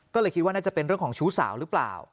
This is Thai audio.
ก็เลยคิดว่าน่าจะเป็นเรื่องของชู้สาวหรือเปล่า